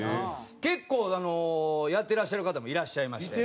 結構やってらっしゃる方もいらっしゃいまして。